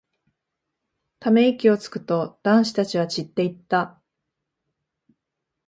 ため息をつくと、男子たちは散っていった。